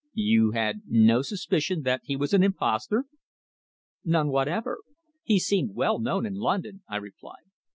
"You had no suspicion that he was an impostor?" "None whatever. He seemed well known in London," I replied.